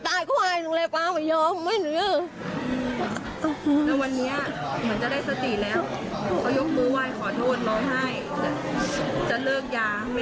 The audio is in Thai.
ไม่ไห้โอ้ยตายไปเลย